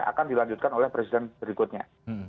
akan dilanjutkan oleh presiden berikutnya